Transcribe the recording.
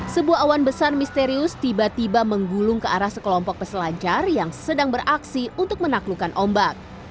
sebuah awan besar misterius tiba tiba menggulung ke arah sekelompok peselancar yang sedang beraksi untuk menaklukkan ombak